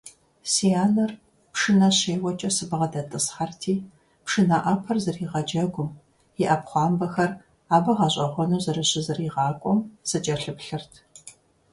Си анэр пшынэ щеуэкӀэ сыбгъэдэтӀысхьэрти, пшынэ Ӏэпэр зэригъэджэгум, и Ӏэпхъуамбэхэр абы гъэщӀэгъуэну зэрыщызэригъакӀуэм сыкӀэлъыплъырт.